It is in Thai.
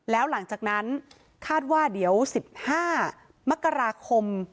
แล้วหลังจากนั้นคาดว่าเดี๋ยว๑๕มกราคม